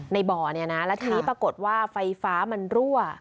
ในบ่อเนี่ยนะแล้วทีนี้ปรากฏว่าไฟฟ้ามันรั่ว